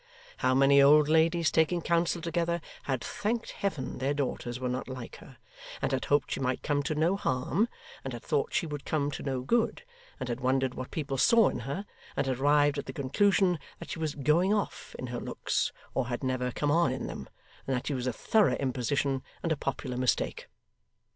How many old ladies, taking counsel together, had thanked Heaven their daughters were not like her, and had hoped she might come to no harm, and had thought she would come to no good, and had wondered what people saw in her, and had arrived at the conclusion that she was 'going off' in her looks, or had never come on in them, and that she was a thorough imposition and a popular mistake!